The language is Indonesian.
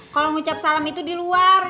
kalau ngucap salam itu di luar